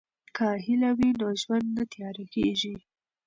که هیله وي نو ژوند نه تیاره کیږي.